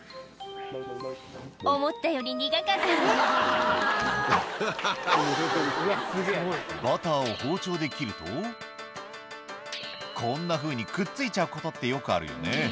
思ったより苦かったね「バターを包丁で切るとこんなふうにくっついちゃうことってよくあるよね」